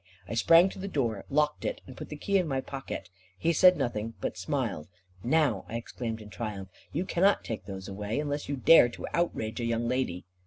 I sprang to the door, locked it, and put the key in my pocket. He said nothing, but smiled. "Now," I exclaimed in triumph, "you cannot take those away, unless you dare to outrage a young lady."